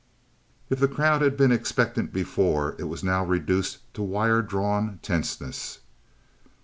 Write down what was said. If the crowd had been expectant before, it was now reduced to wire drawn tenseness.